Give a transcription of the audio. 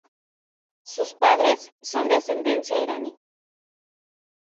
Sus padres son de ascendencia iraní.